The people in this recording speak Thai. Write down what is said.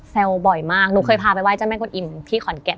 แซวบ่อยมากหนูเคยพาไปไหว้เจ้าแม่งกดอิ่มที่ขอนเก็บ